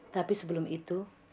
tapi sebelum itu